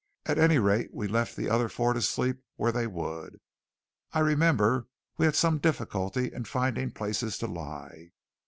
At any rate, we left the other four to sleep where they would. I remember we had some difficulty in finding places to lie.